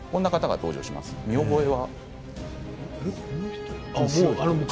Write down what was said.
見覚えは？